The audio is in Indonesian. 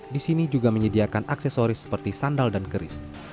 di sini juga menyediakan aksesoris seperti sandal dan keris